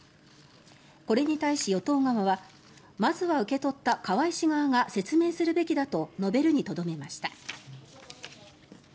これに対し、与党側はまずは受け取った河井氏側が説明するべきだと述べるにとどめました。